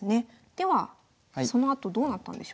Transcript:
ではそのあとどうなったんでしょうか。